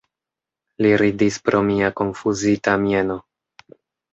Li ridis pro mia konfuzita mieno.